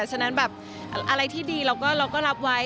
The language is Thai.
ฉะนั้นแบบอะไรที่ดีเราก็รับไว้